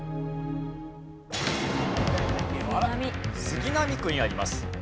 杉並区にあります。